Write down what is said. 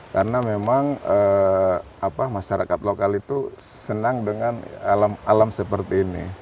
karena memang masyarakat lokal itu senang dengan alam alam seperti ini